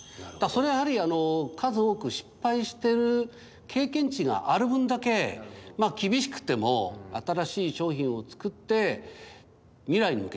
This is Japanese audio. それはやはり数多く失敗してる経験値がある分だけ厳しくても新しい商品を作って未来に向けてね